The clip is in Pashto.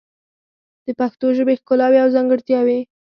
د پښتو ژبې ښکلاوې او ځانګړتیاوې